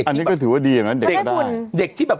อันนี้ก็ถือว่าดีอ่ะมาได้บุญเด็กนี่แบบ